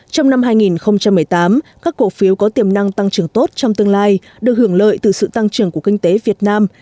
trong năm hai nghìn một mươi tám các cổ phiếu có tiềm năng tăng trưởng tốt trong tương lai được hưởng lợi từ sự tăng trưởng của kinh tế việt nam